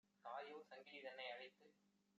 தாயோ சங்கிலி தன்னை அழைத்து